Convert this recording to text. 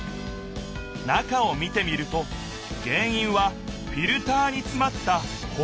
中を見てみると原いんはフィルターにつまったほこりだった。